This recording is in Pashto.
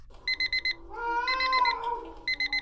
که موږ یو بل درک کړو نو شخړې نه راځي.